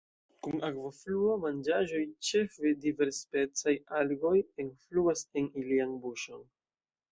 Kun akvofluo manĝaĵoj, ĉefe diversspecaj algoj, enfluas en ilian buŝon.